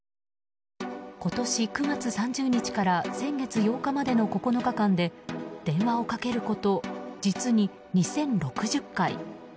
今年９月３０日から先月８日までの９日間で電話をかけること実に２０６０回。